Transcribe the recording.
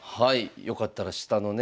よかったら下のね